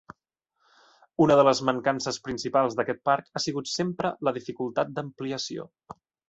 Una de les mancances principals d'aquest parc ha sigut sempre la dificultat d'ampliació.